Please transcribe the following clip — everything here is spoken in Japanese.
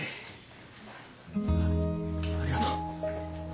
ありがとう。